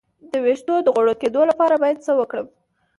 د ویښتو د غوړ کیدو لپاره باید څه وکړم؟